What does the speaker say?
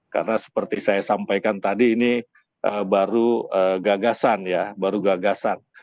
karena seperti saya sampaikan tadi ini baru gagasan ya baru gagasan